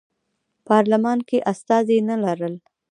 پارلمان کې استازي نه لرل.